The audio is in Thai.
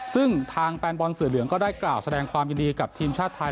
ซึ่งทางแฟนบอลเสือเหลืองก็ได้กล่าวแสดงความยินดีกับทีมชาติไทย